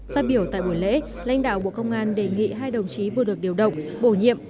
phát biểu tại buổi lễ lãnh đạo bộ công an đề nghị hai đồng chí vừa được điều động bổ nhiệm